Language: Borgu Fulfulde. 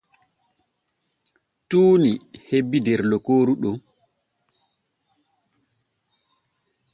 Tuuni hebbii der lokooru ɗon.